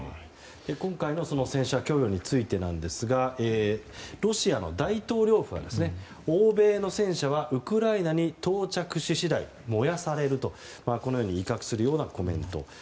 今回の戦車供与についてですがロシアの大統領府は欧米の戦車はウクライナに到着し次第燃やされると威嚇するようなコメント。